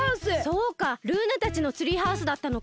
そうかルーナたちのツリーハウスだったのか。